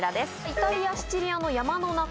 イタリアシチリアの山の中